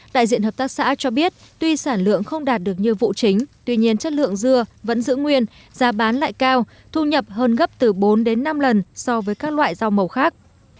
đại diện hợp tác xã cho biết tuy sản lượng không đạt được như vụ chính tuy nhiên chất lượng dưa vẫn giữ nguyên giá bán lại cao thu nhập hơn gấp từ bốn đến năm lần so với các loại rau màu khác